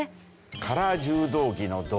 カラー柔道着の導入。